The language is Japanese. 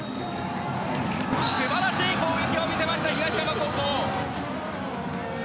素晴らしい攻撃を見せました東山高校。